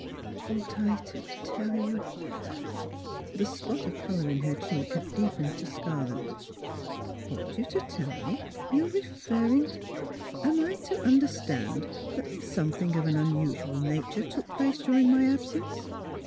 '' Ought I— to tell you? " The spot of colour in her cheek had deepened to scarlet. '' Ought you to tell me? You are referring to Am I to understand that something of an unusual nature took place during my absence?